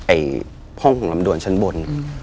ไอ้ห้องลำด่วนชั้นบน